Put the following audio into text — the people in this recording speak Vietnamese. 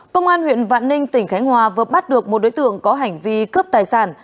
công an huyện vạn ninh tỉnh khánh hòa vừa bắt được một đối tượng có hành vi cướp tài sản